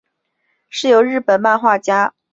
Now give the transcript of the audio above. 是由日本漫画家猫豆腐创作的同人漫画。